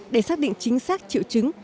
để xác định chính xác triệu chứng